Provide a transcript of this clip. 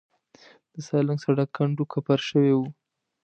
د سالنګ سړک کنډو کپر شوی و.